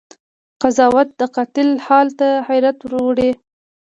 قضاوت د قاتل حال ته حيرت وړی